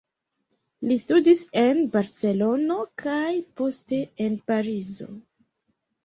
Li studis en Barcelono kaj poste en Parizo.